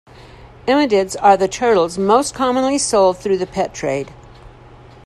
Emydids are the turtles most commonly sold through the pet trade.